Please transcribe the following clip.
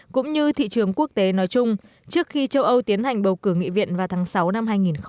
cũng như thị trường quốc tế nói chung trước khi châu âu tiến hành bầu cử nghị viện vào tháng sáu năm hai nghìn hai mươi